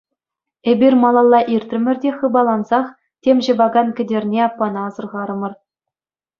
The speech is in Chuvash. Эпир малалла иртрӗмӗр те хыпалансах тем ҫӑвакан Кӗтерне аппана асӑрхарӑмӑр.